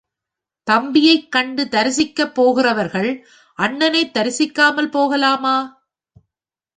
தம்பியைக் கண்டு தரிசிக்கப் போகிறவர்கள் அண்ணனைத் தரிசிக்காமல் போகலாமா?